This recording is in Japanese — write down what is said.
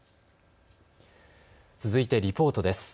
続いてリポートです。